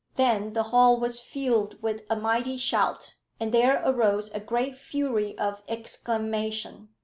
Then the hall was filled with a mighty shout, and there arose a great fury of exclamation.